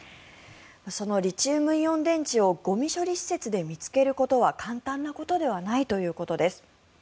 そのリチウムイオン電池をゴミ処理施設で見つけることは簡単なことではないということです。